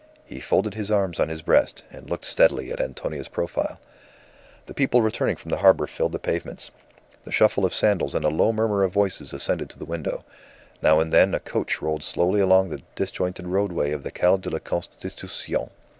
He folded his arms on his breast, and looked steadily at Antonia's profile. The people returning from the harbour filled the pavements; the shuffle of sandals and a low murmur of voices ascended to the window. Now and then a coach rolled slowly along the disjointed roadway of the Calle de la Constitucion.